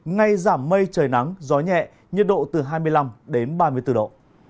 ngay giảm mây trời nắng gió nhẹ nhiệt độ từ hai mươi năm đến ba mươi bốn độ